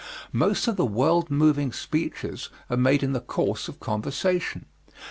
Most of the world moving speeches are made in the course of conversation.